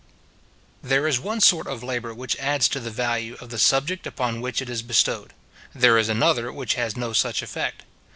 There is one sort of labour which adds to the value of the subject upon which it is bestowed; there is another which has no such effect.